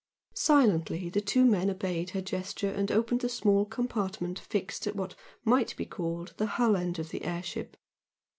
Silently the two men obeyed her gesture and opened the small compartment fixed at what might be called the hull end of the air ship.